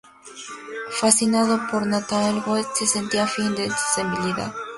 Fascinado por Nathanael West, se sentía afín a su sensibilidad.